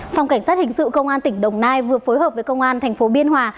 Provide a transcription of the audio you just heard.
phòng cảnh sát hình sự công an tỉnh đồng nai vừa phối hợp với công an thành phố biên hòa